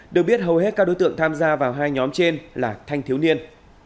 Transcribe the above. được biết hầu hết các đối tượng tham gia vào hai nhóm trên là thanh thiếu niên